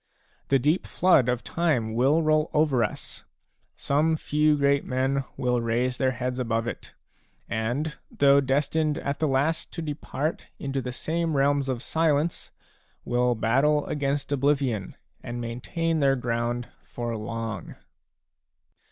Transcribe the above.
5 The deep flood of time will roll over us ; some few great men will raise their heads above it, and, though destined at the last to depart into the same realms of silence, will battle against oblivion and maintain their ground for long.